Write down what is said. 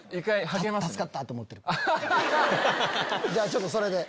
じゃあちょっとそれで。